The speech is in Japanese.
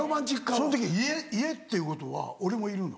その時家っていうことは俺もいるの？